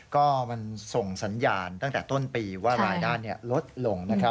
ก็มันส่งสัญญาณตั้งแต่ต้นปีว่ารายได้ลดลง